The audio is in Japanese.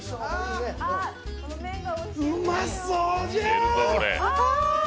うまそうじゃー。